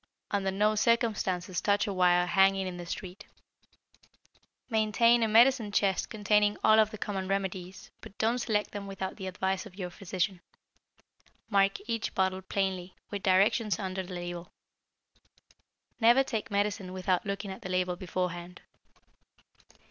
Under no circumstances touch a wire hanging in the street. Maintain a medicine chest containing all of the common remedies, but don't select them without the advice of your physician. Mark each bottle plainly, with directions under the label. Never take medicine without looking at the label beforehand.